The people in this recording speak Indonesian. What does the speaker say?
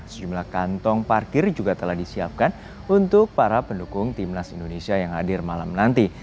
sejumlah kantong parkir juga telah disiapkan untuk para pendukung timnas indonesia yang hadir malam nanti